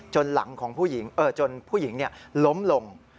หลังของผู้หญิงจนผู้หญิงล้มลง